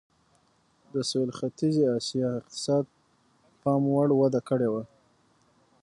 د سوېل ختیځې اسیا اقتصاد پاموړ وده کړې وه.